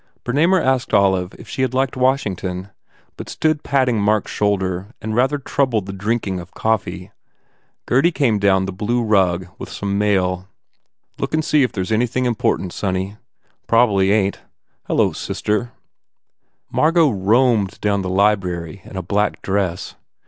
Bernamer asked Olive if she had liked Washington but stood patting Mark s shoulder and rather troubled the drinking of coffee. Gurdy came down the blue rug with some mail. "Look and see if there s anything important, sonny. Probably ain t ... Hello, sister!" Margot roamed down the library in a black dress.